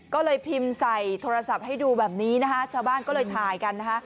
ก็เลยพิมพ์ใส่โทรศัพท์ให้ดูแบบนี้นะคะชาวบ้านก็เลยถ่ายกันนะคะ